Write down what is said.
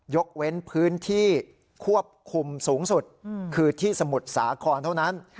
ยกเว้นพื้นที่ควบคุมสูงสุดคือที่สมุทรสาครเท่านั้น